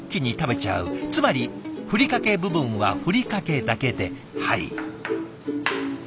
つまりふりかけ部分はふりかけだけではい。